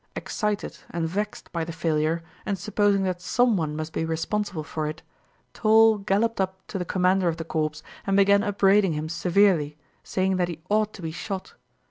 Excited and vexed by the failure and supposing that someone must be responsible for it, Toll galloped up to the commander of the corps and began upbraiding him severely, saying that he ought to be shot.